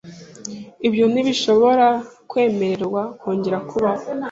Ibyo ntibishobora kwemererwa kongera kubaho.